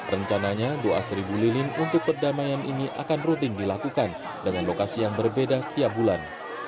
rencananya doa seribu lilin untuk perdamaian ini akan rutin dilakukan dengan lokasi yang berbeda setiap bulan